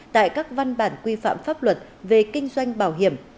tại các văn bản quy phạm pháp luật về kinh doanh bảo hiểm